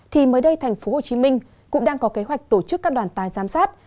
thì mới đây tp hcm cũng đang có kế hoạch tổ chức các đoàn tài giám sát